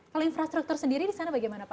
kalau infrastruktur sendiri di sana bagaimana pak